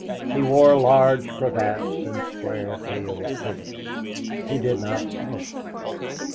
He wore large cravats and square tailed coats. He did not smoke.